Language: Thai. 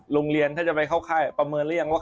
โรงเรียนถ้าจะไปเข้าค่ายประเมินหรือยังว่า